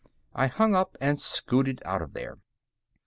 I hung up and scooted out of there.